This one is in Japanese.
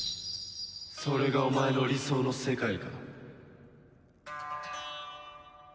それがお前の理想の世界か？